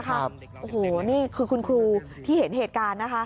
โอ้โหนี่คือคุณครูที่เห็นเหตุการณ์นะคะ